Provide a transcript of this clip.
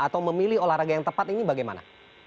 atau memilih olahraga yang tepat ini bagaimana